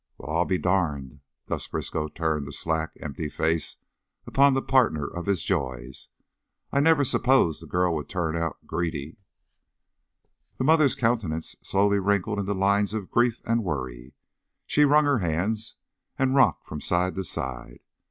"Well, I be darned!" Gus Briskow turned a slack, empty face upon the partner of his joys. "I I never s'posed that girl would turn out greedy." The mother's countenance slowly wrinkled into lines of grief and worry, she wrung her hands and rocked from side to side.